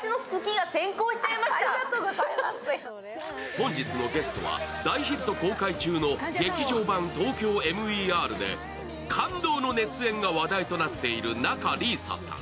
本日のゲストは大ヒット公開中の「劇場版ＴＯＫＹＯＭＥＲ」で感動の熱演が話題となっている仲里依紗さん。